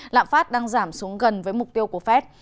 lạm phát đang giảm xuống gần với mục tiêu của fed